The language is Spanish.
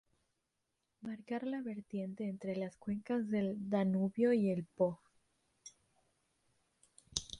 Marca la vertiente entre las cuencas del Danubio y del Po.